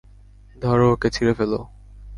ধরো ওকে, ছিঁড়ে ফেলো।